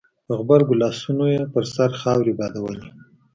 په غبرګو لاسونو يې پر سر خاورې بادولې.